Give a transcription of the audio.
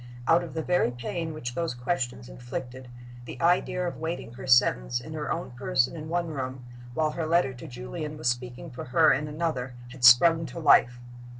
Out of the very pain which those questions inflicted, the idea of waiting her sentence in her own person in one room, while her letter to Julian was speaking for her in another, had sprung to life.